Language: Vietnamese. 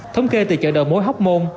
thống kê từ chợ đầu mối hóc môn